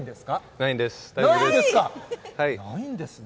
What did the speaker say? ないんですね。